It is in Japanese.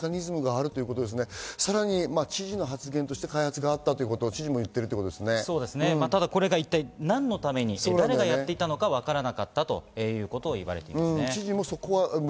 さらに知事の発言として開発があったということも言っていまただ、これが一体何のために誰がやってたのかわからなかったということを言われています。